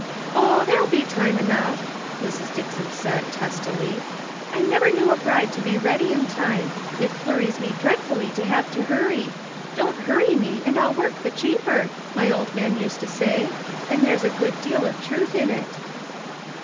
" Oh, there'll be time enough," Mrs. Dickson said, testily. " I never knew a bride to be ready in time ; it flurries me dreadfully to have to hurry. ' Don't hurry me and I'll work the cheaper,' my old man used to say, and there's a good deal of truth in it."